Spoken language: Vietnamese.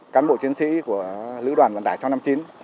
cán bộ chiến sĩ của lữ đoàn dân tải sáu năm chính